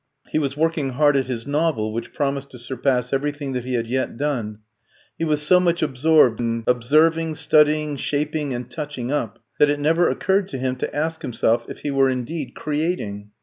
He was working hard at his novel, which promised to surpass everything that he had yet done. He was so much absorbed in observing, studying, shaping, and touching up, that it never occurred to him to ask himself if he were indeed creating.